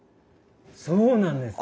そうなんです。